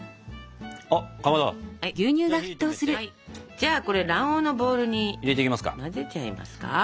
じゃあこれ卵黄のボウルに混ぜちゃいますか。